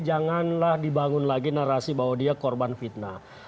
janganlah dibangun lagi narasi bahwa dia korban fitnah